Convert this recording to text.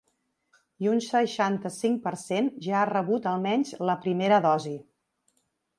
I un seixanta-cinc per cent ja ha rebut almenys la primera dosi.